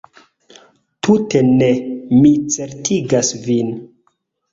Tute ne, mi certigas vin!